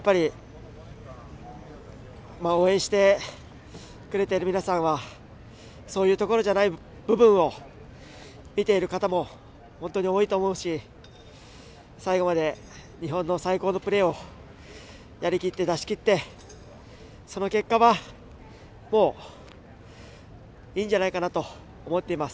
応援してくれてる皆さんはそういうところじゃない部分を見ている方も本当に多いと思うし最後まで、日本の最高のプレーをやりきって出しきってその結果はもういいんじゃないかなと思っています。